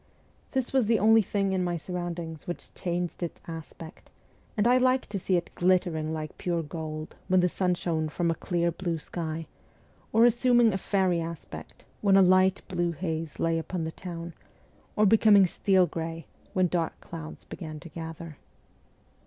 This was the only thing in my surroundings which changed its aspect, and I liked to see it glittering like pure gold when the sun shone from THE FORTRESS 163 a clear blue sky, or assuming a fairy aspect when a light bluish haze lay upon the town, or becoming steel grey when dark clouds began to gather.